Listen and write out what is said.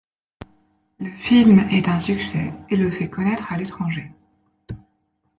Le film est un succès et le fait connaître à l'étranger.